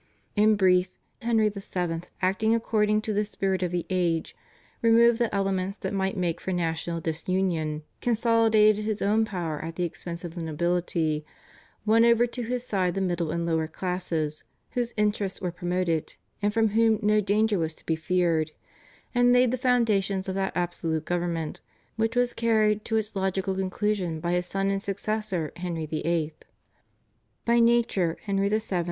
In brief, Henry VII., acting according to the spirit of the age, removed the elements that might make for national disunion, consolidated his own power at the expense of the nobility, won over to his side the middle and lower classes whose interests were promoted and from whom no danger was to be feared, and laid the foundations of that absolute government, which was carried to its logical conclusions by his son and successor, Henry VIII. By nature Henry VII.